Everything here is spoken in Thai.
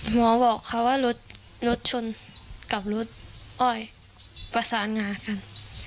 หมอบอกค่ะว่ารถชนกับรถประสานงานกัน